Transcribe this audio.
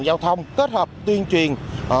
giao thông kết hợp tuyên truyền